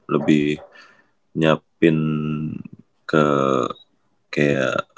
lebih nyiapin ke kayak